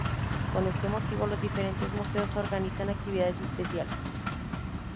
Con este motivo, los diferentes museos organizan actividades especiales.